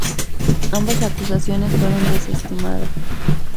Ambas acusaciones fueron desestimadas.